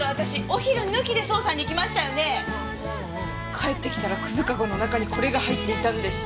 帰ってきたらくずかごの中にこれが入っていたんです。